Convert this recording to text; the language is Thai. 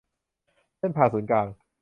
เส้นผ่าศูนย์กลาง